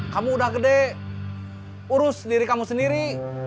kamu udah gede urus diri kamu sendiri